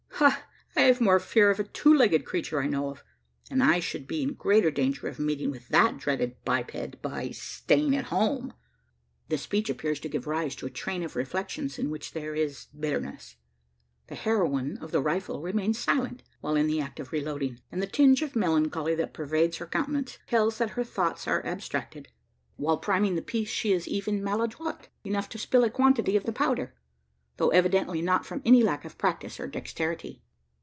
Ha! I have more fear of a two legged creature I know of; and I should be in greater danger of meeting with that dreaded biped by staying at home? The speech appears to give rise to a train of reflections in which there is bitterness. The heroine of the rifle remains silent while in the act of reloading; and the tinge of melancholy that pervades her countenance tells that her thoughts are abstracted. While priming the piece, she is even maladroit enough to spill a quantity of the powder though evidently not from any lack of practice or dexterity.